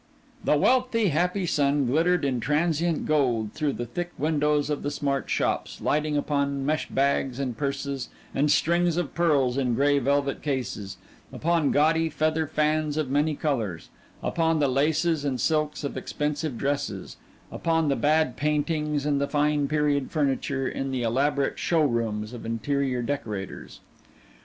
The wealthy, happy sun glittered in transient gold through the thick windows of the smart shops, lighting upon mesh bags and purses and strings of pearls in gray velvet cases; upon gaudy feather fans of many colors; upon the laces and silks of expensive dresses; upon the bad paintings and the fine period furniture in the elaborate show rooms of interior decorators.